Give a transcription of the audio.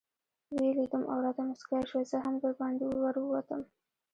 ویې لیدم او راته مسکۍ شوه، زه هم دباندې ورووتم.